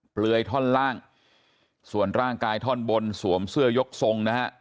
เปลือยท่อนล่างส่วนร่างกายท่อนบนสวมเสื้อยกทรงนะฮะ